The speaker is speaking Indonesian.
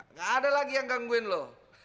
nggak ada lagi yang gangguin loh